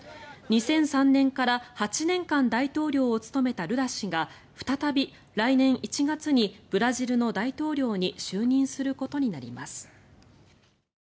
２００３年から８年間大統領を務めたルラ氏が再び来年１月にブラジルの大統領に就任することになります。